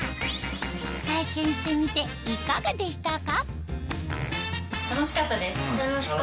体験してみていかがでしたか？